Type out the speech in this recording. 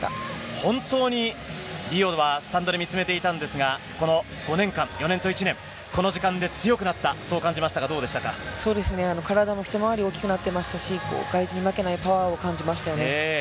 本当にリオはスタンドで見つめていたんですが、この５年間、４年と１年、この時間で強くなった、そう感じましたが、どうでしそうですね、体も一回り大きくなっていましたし、外人に負けないパワーを感じましたよね。